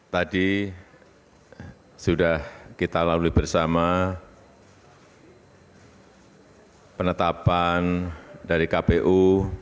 tadi sudah kita lalui bersama penetapan dari kpu